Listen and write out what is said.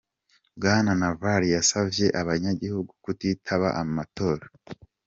Bwana Navalny yasavye abanyagihugu kutitaba amatora.